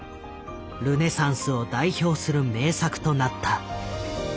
ルネサンスを代表する名作となった。